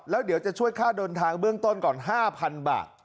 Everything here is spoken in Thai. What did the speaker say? แล้วเดี๋ยวจะช่วยค่าเดินทางเบื้องต้นก่อน๕๐๐๐บาท